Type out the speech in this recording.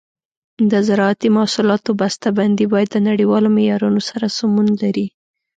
د زراعتي محصولاتو بسته بندي باید د نړیوالو معیارونو سره سمون ولري.